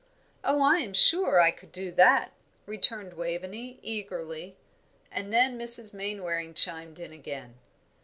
"Oh, I am sure I could do that," returned Waveney, eagerly; and then Mrs. Mainwaring chimed in again.